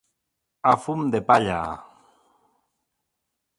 A fum de palla.